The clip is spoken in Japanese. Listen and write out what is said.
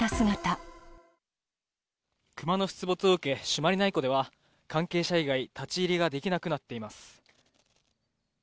クマの出没を受け、朱鞠内湖では、関係者以外、立ち入りができなくなっています。